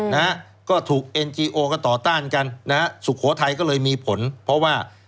นะฮะก็ถูกเอ็นจีโอก็ต่อต้านกันนะฮะสุโขทัยก็เลยมีผลเพราะว่า